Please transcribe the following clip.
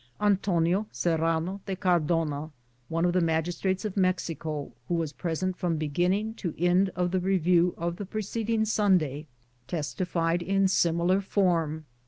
Antonio Serrano de Cardona, one of the sit, Google THE JOURNEY OF GORONADO Mexico, who was present from beginning to end of the review of the preceding Sunday, testified in similar form.